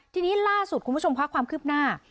ทีนี้ล่าสุดคุณผู้ชมค่ะความคืบหน้า